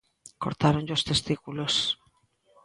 Cortáronlle os testículos.